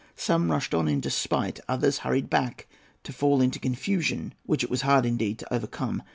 Some rushed on in despite; others hurried back, to fall into confusion, which it was hard indeed to overcome.